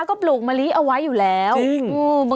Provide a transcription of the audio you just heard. ก็ปลูกมะลิเอาไว้อยู่แล้วอืม